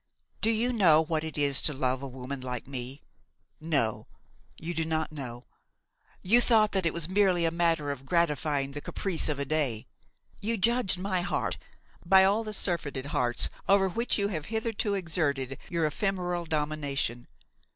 "Do you know what it is to love a woman like me? No, you do not know. You thought that it was merely a matter of gratifying the caprice of a day. You judged my heart by all the surfeited hearts over which you have hitherto exerted your ephemeral domination.